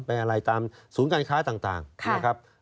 อะไรตามศูนย์การค้าต่างนะครับ